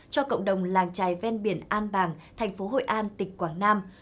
cho cộng đồng làng trài ven biển an bàng thành phố hội an tỉnh quảng nam